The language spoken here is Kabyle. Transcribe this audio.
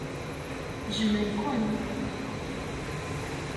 Jjmen-ken.